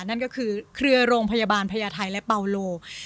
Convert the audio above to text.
นั่นก็คือเครือโรงพยาบาลพญาไทยและเปาโล